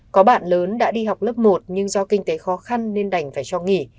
có bạn lớn đã đi học lớp một nhưng do kinh tế khó khăn nên đành phải cho nghỉ